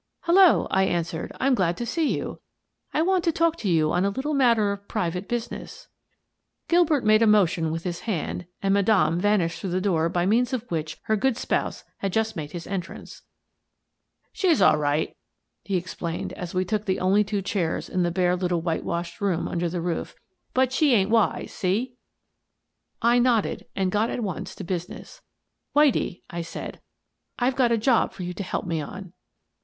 "Hello," I answered. "I'm glad to see you. I want to talk to you on a little matter of private business." Gilbert made a motion with his hand and Madame vanished through the door by means of which her good spouse had just made his entrance. " She's all right," he explained, as we took the only two chairs in the bare litttle whitewashed room under the roof, " but she ain't wise, see? " 242 Miss Frances Baird, Detective I nodded and got at once to business. " Whitie," I said, " I've got a job for you to help me on."